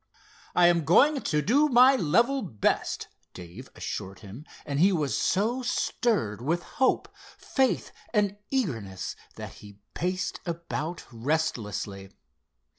"I'm going to do my level best," Dave assured him, and he was so stirred with hope, faith and eagerness that he paced about restlessly.